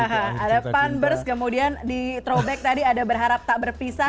ada punburst kemudian di trowback tadi ada berharap tak berpisah